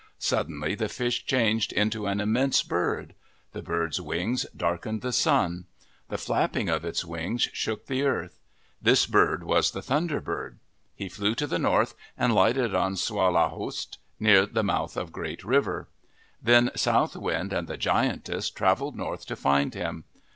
Suddenly the fish changed into an immense bird. The bird's wings darkened the sun. The flapping of its wings shook the earth. This bird was the Thunder Bird. He flew to the north and lighted on Swal al a host, near the mouth of Great River. Then South Wind and the giantess travelled north to find him.